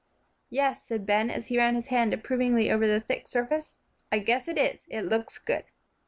"Yes," said Ben, and he ran his hand approvingly over the thick surface, "I guess it is; it looks good."